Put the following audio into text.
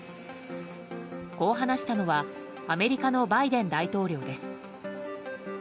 こう話したのはアメリカのバイデン大統領です。